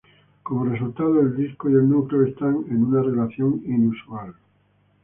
Como resultado, el disco y el núcleo están en una relación inusual.